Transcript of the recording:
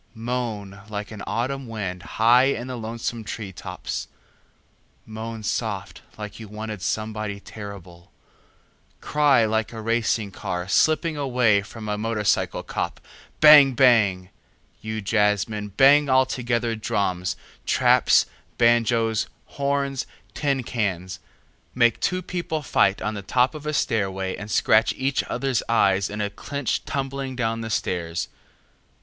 Moan like an autumn wind high in the lonesome tree tops, moan soft like you wanted somebody terrible, cry like a racing car slipping away from a motorcycle cop, bang bang! you jazzmen, bang altogether drums, traps, banjoes, horns, tin cans—make two people fight on the top of a stairway and scratch each other's eyes in a clinch tumbling down the stairs.